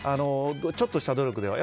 ちょっとした努力では。